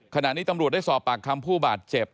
ขณะนี้ตำรวจได้สอบปากคำผู้บาดเจ็บ